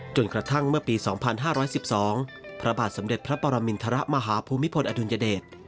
กระทั่งเมื่อปี๒๕๑๒พระบาทสมเด็จพระปรมินทรมาฮภูมิพลอดุลยเดช